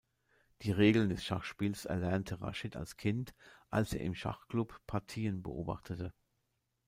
Die Regeln des Schachspiels erlernte Raschid als Kind, als er im Schachklub Partien beobachtete.